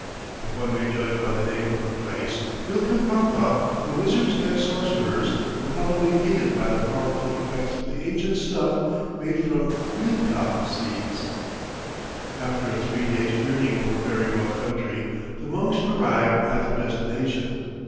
If one may judge by the name of the place, Uilcapampa, the wizards and sorcerers were probably aided by the powerful effects of the ancient snuff made from huilca seeds. After a three days' journey over very rough country, the monks arrived at their destination.